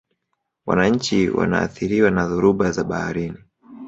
wananchi wanaathiriwa na dhoruba za baharini